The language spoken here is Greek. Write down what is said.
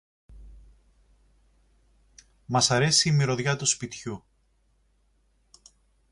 Μας αρέσει η μυρωδιά του σπιτιού